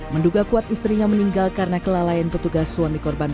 menduga kuat istrinya meninggal karena kelalaian petugas suami korban